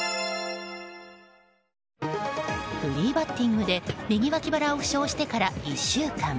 フリーバッティングで右脇腹を負傷してから１週間。